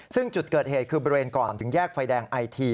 ซึ่งจุดเกิดเหตุคือบริเวณก่อนถึงแยกไฟแดงไอที